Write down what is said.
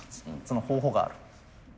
その方法がある。